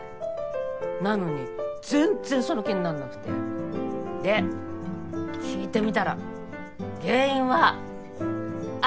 なのに全然その気になんなくて。で聞いてみたら原因はあなた！